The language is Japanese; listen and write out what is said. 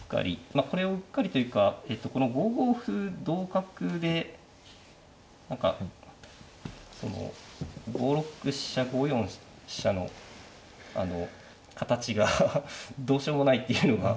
まあこれをうっかりというかえっとこの５五歩同角で何か５六飛車５四飛車のあの形がどうしようもないっていうのが。